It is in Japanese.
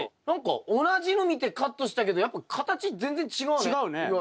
何か同じの見てカットしたけどやっぱ形全然違うね。